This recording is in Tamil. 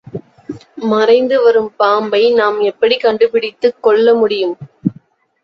மறைந்து வரும் பாம்பை நாம் எப்படிக்கண்டு பிடித்துக் கொல்லமுடியும்?